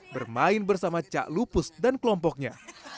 bermain bersama cak lupus dan kelompoknya